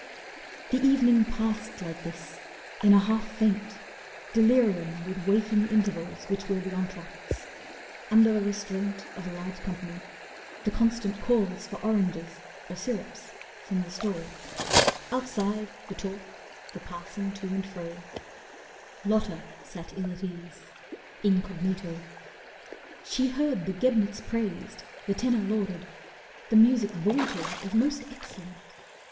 The evening passed like this, in a half faint, Delirium with waking intervals Which were the entr'acts. Under the restraint Of a large company, the constant calls For oranges or syrops from the stalls Outside, the talk, the passing to and fro, Lotta sat ill at ease, incognito. She heard the Gebnitz praised, the tenor lauded, The music vaunted as most excellent.